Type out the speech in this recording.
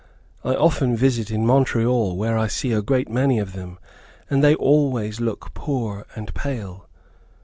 I often visit in Montreal where I see a great many of them, and they always look poor and pale.